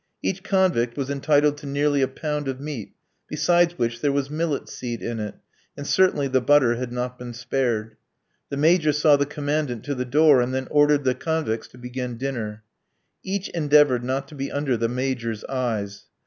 Each convict was entitled to nearly a pound of meat, besides which there was millet seed in it, and certainly the butter had not been spared. The Major saw the Commandant to the door, and then ordered the convicts to begin dinner. Each endeavoured not to be under the Major's eyes.